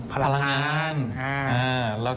พลังงาน